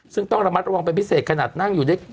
ซึ่งต้องระมัดรอบงานผิดเสร็จขนาดนั่งอยู่เล็ก